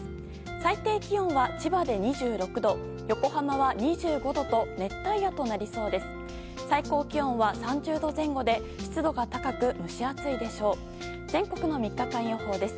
最低気温は千葉で２６度横浜は２５度と熱帯夜となりそうです。